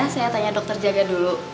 saya tanya dokter jaga dulu